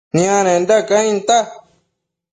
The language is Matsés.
nianenda cainta